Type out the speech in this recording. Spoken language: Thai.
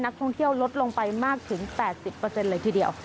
ท่องเที่ยวลดลงไปมากถึง๘๐เลยทีเดียว